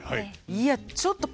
いやちょっと多分。